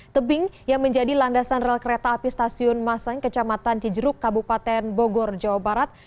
tebing yang menjadi landasan rel kereta api stasiun masang kecamatan cijeruk kabupaten bogor jawa barat